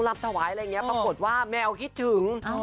ล้ำถวายอะไรอย่างเงี้ยปรากฏว่าแมวคิดถึงอะอ้อ